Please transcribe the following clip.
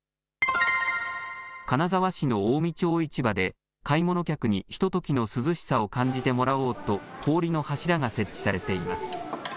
金沢市の近江町市場で買い物客にひとときの涼しさを感じてもらおうと氷の柱が設置されています。